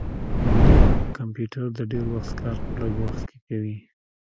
کمپیوټر د ډير وخت کار په لږ وخت کښې کوي